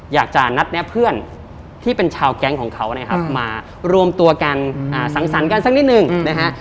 อยากจะนัดแนะเพื่อนที่เป็นชาวแก๊งของเขานะครับมารวมตัวกันสังสรรค์กันสักนิดหนึ่งนะฮะ